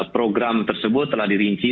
program tersebut telah dirinci